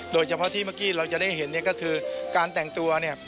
โดยเฉพาะที่เมื่อกี้เราจะได้เห็นเนี่ยก็คือการแต่งตัวเนี่ย